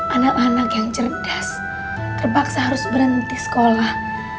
anak anak yang cerdas terpaksa harus berhenti sekolah